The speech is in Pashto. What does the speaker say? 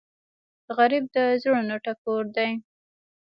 غریب د زړونو ټکور دی